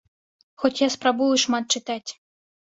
Хоць я спрабую шмат чытаць.